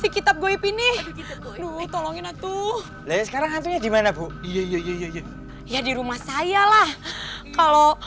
kitab goib ini tolongin aku sekarang dimana iya di rumah saya lah kalau